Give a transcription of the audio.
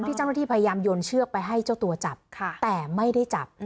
เจ้าหน้าที่พยายามโยนเชือกไปให้เจ้าตัวจับแต่ไม่ได้จับ